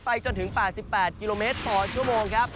จนถึง๘๘กิโลเมตรต่อชั่วโมงครับ